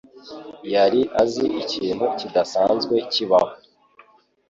yari azi ikintu kidasanzwe kibaho.